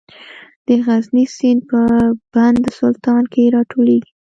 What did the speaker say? د غزني سیند په بند سلطان کې راټولیږي